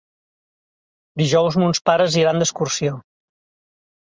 Dijous mons pares iran d'excursió.